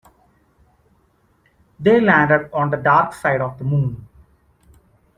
They landed on the dark side of the moon.